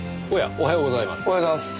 おはようございます。